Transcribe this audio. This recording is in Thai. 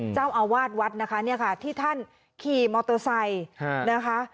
เจ้าอาวาสวัดนะคะเนี่ยค่ะที่ท่านขี่มอเตอร์ไซค์นะคะ